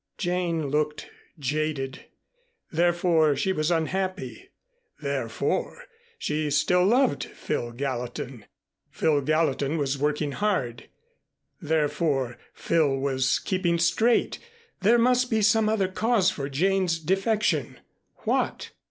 Jane looked jaded. Therefore, she was unhappy; therefore, she still loved Phil Gallatin. Phil Gallatin was working hard. Therefore, Phil was keeping straight; there must be some other cause for Jane's defection. What?